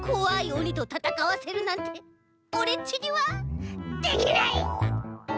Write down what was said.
おにとたたかわせるなんてオレっちにはできない！